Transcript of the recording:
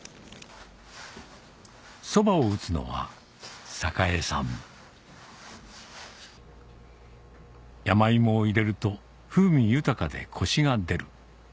そばを打つのはさかえさん「山芋を入れると風味豊かでコシが出る」